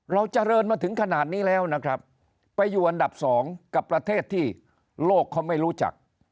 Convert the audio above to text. เราเจริญมาถึงขนาดนี้แล้วนะครับไปอยู่อันดับสองกับประเทศที่โลกเขาไม่รู้จัก